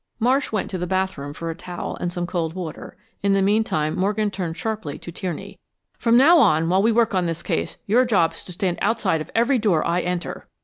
Marsh went to the bathroom for a towel and some cold water. In the meantime Morgan turned sharply to Tierney. "From now on, while we work on this case, your job is to stand outside of every door I enter."